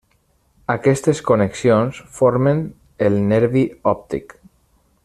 Aquestes connexions formen el Nervi òptic.